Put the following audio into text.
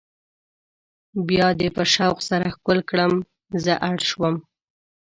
بیا دې په شوق سره ښکل کړم زه اړ شوم.